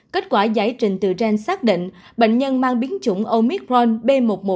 kết quả giải trình tự gen xác định bệnh nhân mang biến chủng omicron b một một năm trăm hai mươi chín